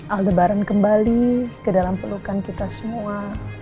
aldebaran kembali ke dalam pelukan kita semua